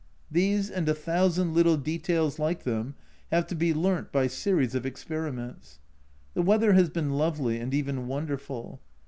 These and a thousand little details like them have to be learnt by series of experiments. The weather has been lovely, and even wonderful.